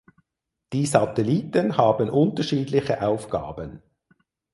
Die Satelliten haben unterschiedliche Aufgaben.